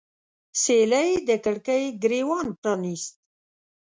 سیلۍ د کړکۍ ګریوان پرانیست